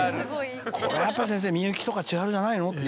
「これはやっぱり先生みゆきとか千春じゃないの？」。